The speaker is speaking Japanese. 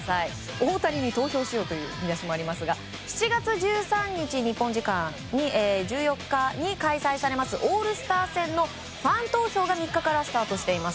大谷に投票しようという見出しもありますが、７月１３日日本時間１４日に開催されますオールスター戦のファン投票が３日からスタートしています。